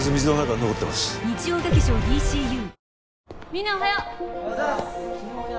みんなおはよう！